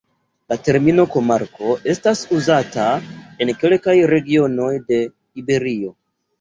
La termino komarko estas uzata en kelkaj regionoj de Iberio.